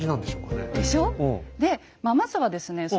でしょ？でまずはですね